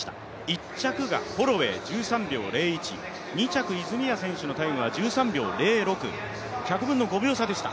１着がホロウェイ１３秒０１、２着泉谷選手のタイムが１３秒０６、１００分の５秒差でした。